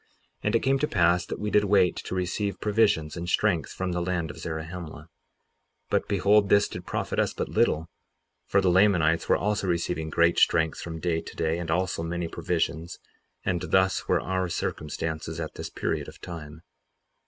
And it came to pass that we did wait to receive provisions and strength from the land of Zarahemla. 58:5 But behold, this did profit us but little; for the Lamanites were also receiving great strength from day to day, and also many provisions; and thus were our circumstances at this period of time.